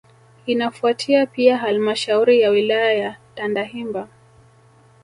Inafuatia Pia halmashauri ya wilaya ya Tandahimba